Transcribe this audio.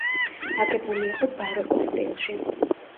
აგებული იყო ბაროკოს სტილში.